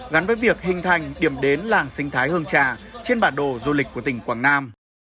gắn với việc hình thành điểm đến làng sinh thái hương trà trên bản đồ du lịch của tỉnh quảng nam